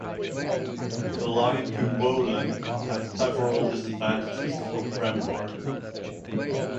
The line to Wohlen had several disadvantages for Bremgarten.